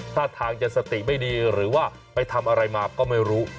ท่าทางจะสติไม่ดีหรือว่าไปทำอะไรมาก็ไม่รู้